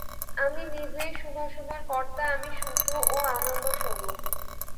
আমিই নিজের শুভাশুভের কর্তা, আমিই শুদ্ধ ও আনন্দস্বরূপ।